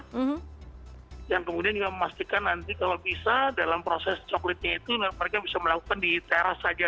dan kemudian juga memastikan nanti kalau bisa dalam proses coklatnya itu mereka bisa melakukan di teras saja